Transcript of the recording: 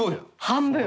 半分。